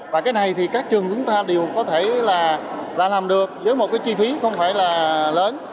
và cái này thì các trường chúng ta đều có thể là làm được với một cái chi phí không phải là lớn